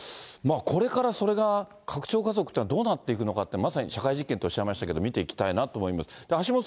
これからそれが拡張家族っていうのはどうなっていくのか、まさに社会実験とおっしゃいましたけど、見ていきたいなと思います。